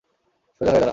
সোজা হয়ে দাঁড়া!